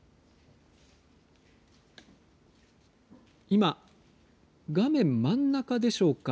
今、画面、真ん中でしょうか。